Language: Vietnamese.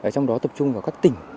trong đó tập trung vào các tỉnh